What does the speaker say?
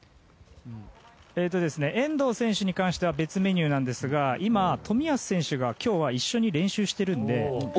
遠藤選手に関しては別メニューなんですが今、冨安選手が今日は一緒に練習しているので。